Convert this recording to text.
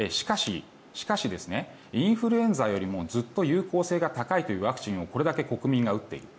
しかし、インフルエンザよりもずっと有効性が高いというワクチンをこれだけ国民が打っている。